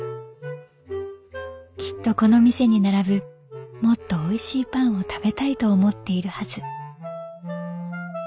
「きっとこの店に並ぶもっとおいしいパンを食べたいと思っているはず」。